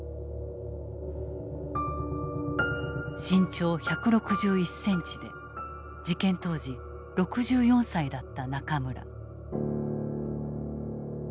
身長１６１ｃｍで事件当時６４歳だった中村。